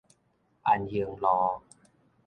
安興路